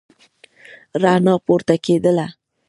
رڼا پورته کېدله.